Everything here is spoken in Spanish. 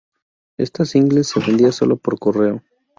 Este single se vendía solo por correo.